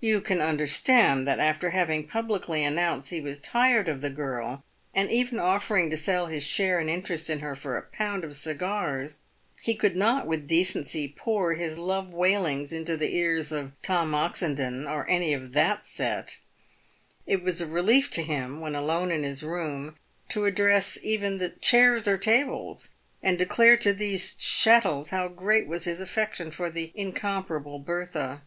You can under stand that after having publicly announced he was tired of the girl, and even offering to sell his share and interest in her for a pound of cigars, he could not with decency pour his love w r ailings into the ears of Tom Oxendon, or any of that set. It was a relief to him when alone in his room to address even the chairs or tables, and declare to these chattels how great was his affection for the incomparable Bertha.